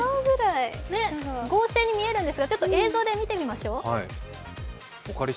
合成に見えるんですが映像で見てみましょう。